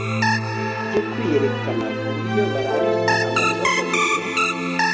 byo kwiyerekana ku buryo bararika abantu bagamije